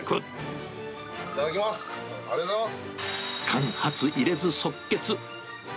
間髪入れず即決。